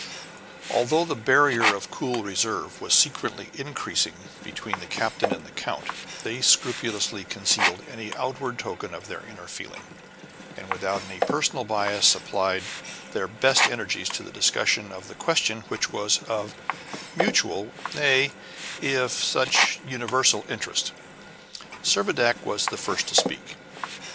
Although the barrier of cool reserve was secretly increasing between the captain and the count, they scrupulously concealed any outward token of their inner feelings, and without any personal bias applied their best energies to the discussion of the question which was of such mutual, nay, of such universal interest. Servadac was the first to speak.